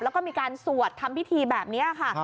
แล้วก็มีการสวดทำพิธีแบบนี้ค่ะ